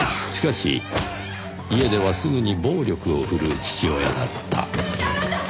しかし家ではすぐに暴力を振るう父親だった。